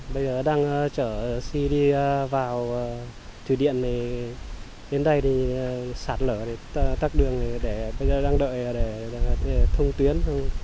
bây giờ đang chở xe đi vào thủy điện đến đây thì sạt lở tắt đường để bây giờ đang đợi để thông tuyến